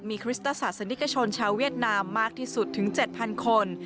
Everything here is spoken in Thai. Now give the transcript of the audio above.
มีคริสตศาสนิกชนชาวเวียดนามมากที่สุดถึง๗๐๐คน